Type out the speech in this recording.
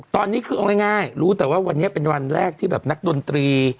ตอนนี้คือเอาง่ายรู้แต่ว่าวันนี้เป็นวันแรกที่แบบนักดนตรี